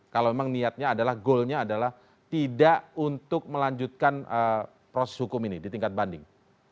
kalau memang niatnya adalah goalnya adalah tidak untuk melanjutkan proses hukum ini di tingkat banding